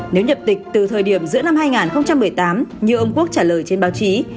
nếu nhập tịch từ thời điểm giữa năm hai nghìn một mươi tám như ông quốc trả lời trên báo chí